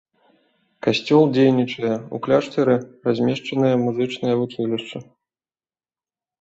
Касцёл дзейнічае, у кляштары размешчанае музычнае вучылішча.